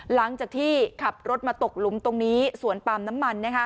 หลังจากที่ขับรถมาตกหลุมตรงนี้สวนปาล์มน้ำมัน